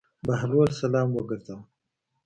بهلول سلام وګرځاوه.